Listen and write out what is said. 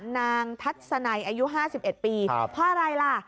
นางทัศนัยอายุห้าสิบเอ็ดปีเพราะอะไรล่ะ